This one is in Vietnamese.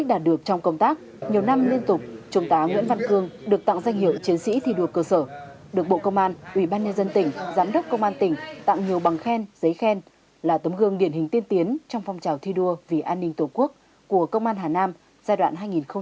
tặng nhiều bằng khen giấy khen là tấm gương điển hình tiên tiến trong phong trào thi đua vì an ninh tổ quốc của công an hà nam giai đoạn hai nghìn một mươi năm hai nghìn hai mươi